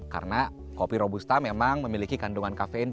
karena kopi robusta memang memiliki kandungan kafein